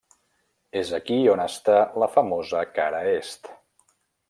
És aquí on està la famosa cara est.